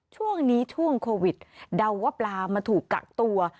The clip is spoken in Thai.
ช่วงนี้ช่วงโควิดเดาว่าปลามาถูกกักตัว